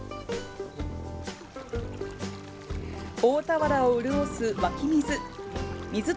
大田原を潤す湧き水。